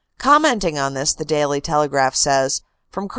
Commenting on this, the Daily Telegraph says: "From Col.